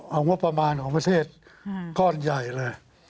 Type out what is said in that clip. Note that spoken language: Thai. เอางบประมาณของประเทศก้อนใหญ่เลย